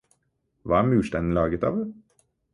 Hva er murstein laget av?